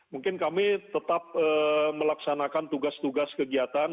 mungkin kami tetap melaksanakan tugas tugas kegiatan